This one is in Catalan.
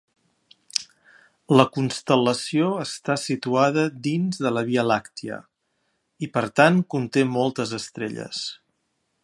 La constel·lació està situada dins de la Via Làctia, i per tant conté moltes estrelles.